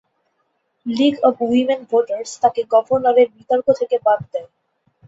League of women voters তাকে গভর্নরের বিতর্ক থেকে বাদ দেয়।